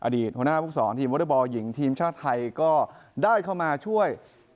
หัวหน้าภูมิสอนทีมวอเตอร์บอลหญิงทีมชาติไทยก็ได้เข้ามาช่วย